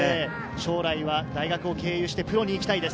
将来は大学を経由して、プロに行きたいです。